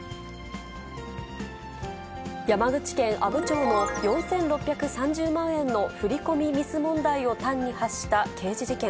山口県阿武町の４６３０万円の振り込みミス問題を端に発した刑事事件。